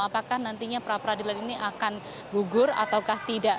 apakah nantinya pra peradilan ini akan gugur ataukah tidak